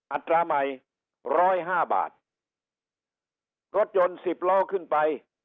อัตราใหม่ร้อยห้าบาทรถยนต์สิบล้อขึ้นไป